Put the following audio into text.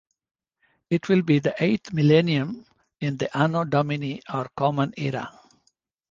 It will be the eighth millennium in the Anno Domini or Common Era.